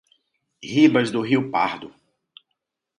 Ribas do Rio Pardo